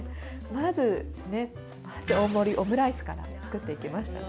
まず、大盛りオムライスから作っていきました。